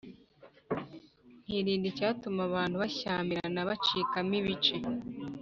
nkirinda icyatuma abantu bashyamirana, bacikamo ibice.